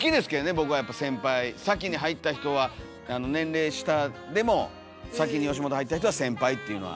僕はやっぱ先輩先に入った人は年齢下でも先に吉本入った人は先輩っていうのは。